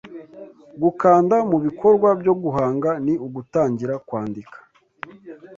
gukanda mubikorwa byo guhanga ni ugutangira kwandika